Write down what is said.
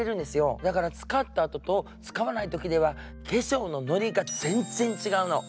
だから使ったときと使わないときの化粧ののりが全然ちがうの。